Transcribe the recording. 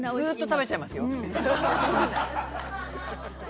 すいません。